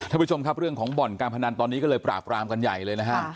ท่านผู้ชมครับเรื่องของบ่อนการพนันตอนนี้ก็เลยปราบรามกันใหญ่เลยนะฮะ